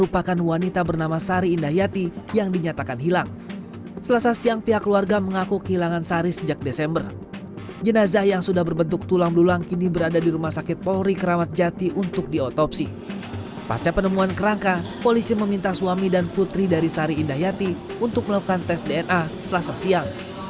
pada penemuan kerangka polisi meminta suami dan putri dari sari indah yati untuk melakukan tes dna selasa siang